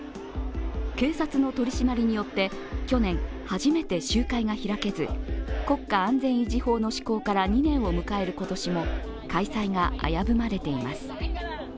警察の取り締まりによって去年初めて集会が開けず、国家安全維持法の施行から２年を迎える今年も開催が危ぶまれています。